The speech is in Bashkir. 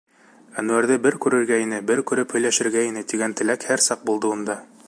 Әнүәрҙе бер күрергә ине, бер күреп һөйләшергә ине, тигән теләк һәр саҡ булды унда.